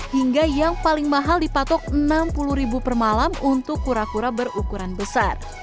hingga yang paling mahal dipatok enam puluh ribu per malam untuk kura kura berukuran besar